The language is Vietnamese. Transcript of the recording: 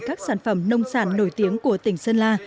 các sản phẩm nông sản nổi tiếng của tỉnh sơn la